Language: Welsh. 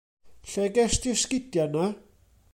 Lle gest ti'r 'sgidia 'na?